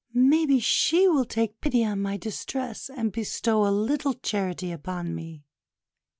Maybe she will take pity on my distress, and bestow a little charity upon me."